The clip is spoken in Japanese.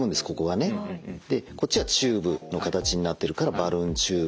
でこっちがチューブの形になってるからバルーンチューブ。